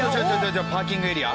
ちょっパーキングエリア！